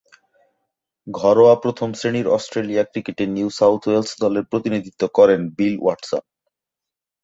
ঘরোয়া প্রথম-শ্রেণীর অস্ট্রেলীয় ক্রিকেটে নিউ সাউথ ওয়েলস দলের প্রতিনিধিত্ব করেন বিল ওয়াটসন।